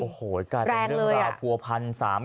โอ้โหกลายเป็นเรื่องราวผัวพันธ์